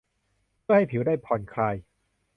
เพื่อให้ผิวได้ผ่อนคลาย